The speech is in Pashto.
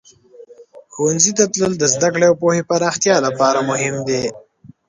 ښوونځي ته تلل د زده کړې او پوهې پراختیا لپاره مهم دی.